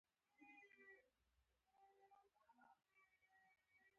خو رښتینې ملګرتیا ډېره کمیابه ده.